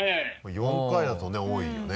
４回だとね多いよね。